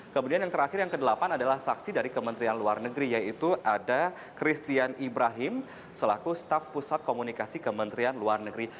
kemudian yang terakhir yang ke delapan adalah saksi dari kementerian luar negeri yaitu ada christian ibrahim selaku staf pusat komunikasi kementerian luar negeri